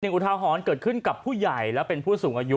อุทาหรณ์เกิดขึ้นกับผู้ใหญ่และเป็นผู้สูงอายุ